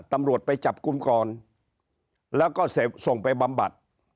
ตำรวจไปจับกุมกรแล้วก็เสพส่งไปบำบัด